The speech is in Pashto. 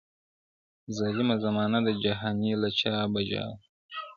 ظالمه زمانه ده جهاني له چا به ژاړو-